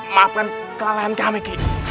maafkan kealahan kami ki